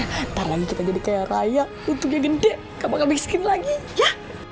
ntar lagi kita jadi kayak raya untungnya gede kapan kebikskin lagi ya